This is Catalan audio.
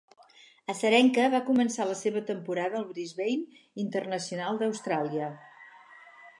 Azarenka va començar la seva temporada al Brisbane International d'Austràlia.